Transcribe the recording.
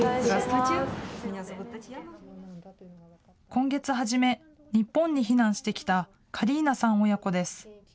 今月初め、日本に避難してきたカリーナさん親子です。